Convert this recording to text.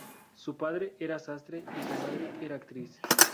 Su padre era sastre y su madre era actriz.